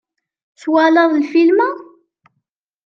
Twalaḍ lfilm-a?